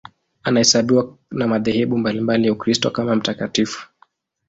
Anaheshimiwa na madhehebu mbalimbali ya Ukristo kama mtakatifu.